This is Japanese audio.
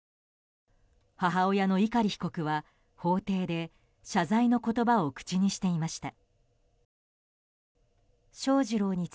母親の碇被告は法廷で謝罪の言葉を口にしていました。